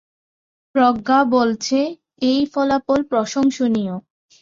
প্রজ্ঞা বলছে, এই ফলাফল প্রশংসনীয়।